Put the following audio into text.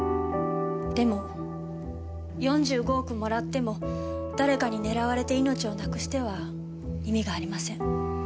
でも４５億もらっても誰かに狙われて命をなくしては意味がありません。